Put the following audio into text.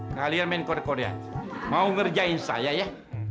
kalian men kore korea mau ngerjain saya ya